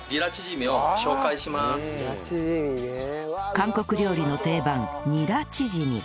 韓国料理の定番ニラチヂミ